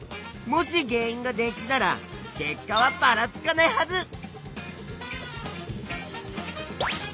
もし原いんが電池なら結果はばらつかないはず！